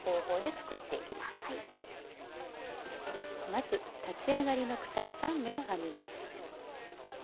まず立ち上がりの鎖３目を編みます。